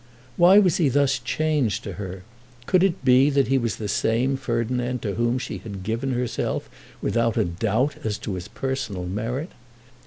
Why was he thus changed to her? Could it be that he was the same Ferdinand to whom she had given herself without a doubt as to his personal merit?